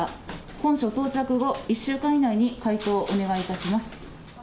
本書到着後１週間以内に回答をお願いいたします。